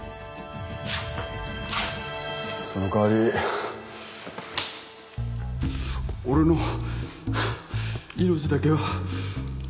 その代わり俺の命だけは